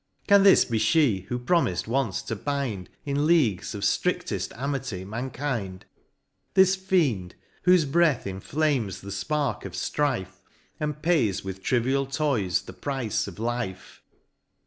— Can this be fhe, who promis'd once to bind In leagues of fl:ri6left amity, mankind ? This fiend, whofe breath inflames the fpark of ftrife, And pays with trivial toys the price of life